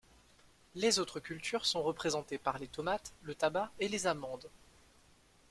Les autres cultures sont représentées par les tomates, le tabac et les amandes.